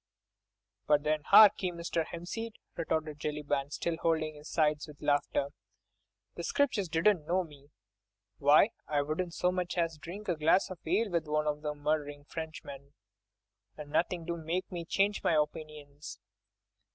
'" "But then hark'ee, Mr. 'Empseed," retorted Jellyband, still holding his sides with laughter, "the Scriptures didn't know me. Why, I wouldn't so much as drink a glass of ale with one o' them murderin' Frenchmen, and nothin' 'd make me change my opinions.